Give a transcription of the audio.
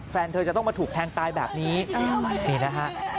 แฟนเธอจะต้องมาถูกแทงตายแบบนี้นี่นะฮะ